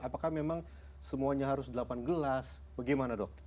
apakah memang semuanya harus delapan gelas bagaimana dok